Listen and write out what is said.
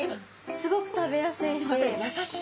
スゴく食べやすいし。